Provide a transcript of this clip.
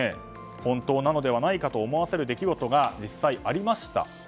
本当なのではないかと思わせる出来事が実際、ありました。